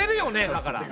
だから。